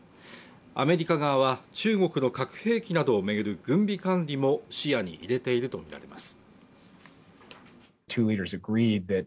アメリカ側は、中国の核兵器などをめぐる軍備管理も視野に入れているとみられます。